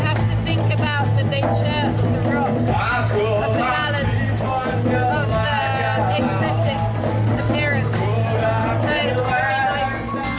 kita harus berpikir tentang kebiasaan rumput balansi kelihatan jadi sangat bagus